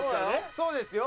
そうですよ。